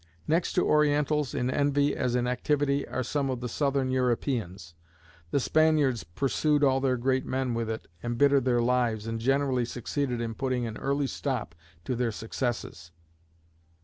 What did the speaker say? Next to Orientals in envy, as in activity, are some of the Southern Europeans. The Spaniards pursued all their great men with it, embittered their lives, and generally succeeded in putting an early stop to their successes.